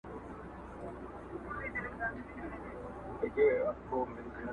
ملت ړوند دی د نجات لوری یې ورک دی!